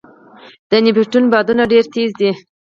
د نیپټون بادونه ډېر تېز دي.